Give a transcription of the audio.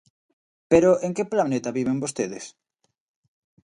Pero, ¿en que planeta viven vostedes?